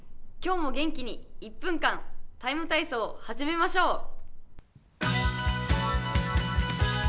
今日も元気に１分間「ＴＩＭＥ，体操」始めましょう。